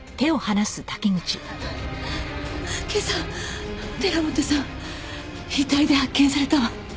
今朝寺本さん遺体で発見されたわ。